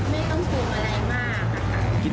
ไม่ต้องพูดอะไรมาก